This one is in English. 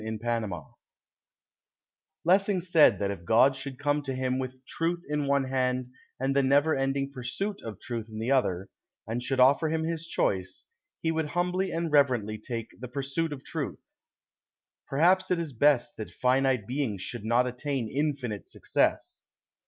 THE GAME Lessing said that if God should come to him with truth in one hand and the never ending pursuit of truth in the other, and should offer him his choice, he would humbly and reverently take the pursuit of truth. Perhaps it is best that finite beings should not attain infinite success.